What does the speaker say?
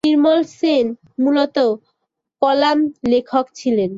নির্মল সেন মূলত: কলাম লেখক ছিলেন।